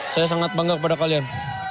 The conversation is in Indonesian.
saya sangat bangga kepada kalian